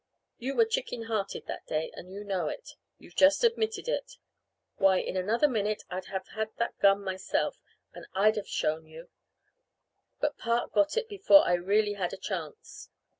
You were chicken hearted that day, and you know it; you've just admitted it. Why, in another minute I'd have had that gun myself, and I'd have shown you but Park got it before I really had a chance.